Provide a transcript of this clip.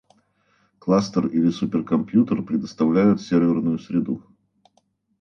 Кластер или суперкомпьютер предоставляют серверную среду